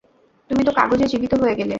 তুমি তো কাগজে জীবিত হয়ে গেলে।